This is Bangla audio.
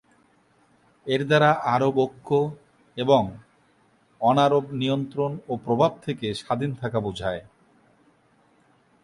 এর দ্বারা আরব ঐক্য এবং অনারব নিয়ন্ত্রণ ও প্রভাব থেকে স্বাধীন থাকা বোঝায়।